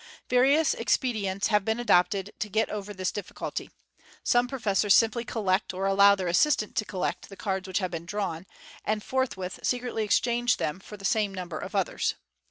Various expedients have been adopted to get over this diffi culty. Some professors simply collect, or allow their assistant to collect, the cards which have been drawn, and forthwith secretly exchange them for the same number of others.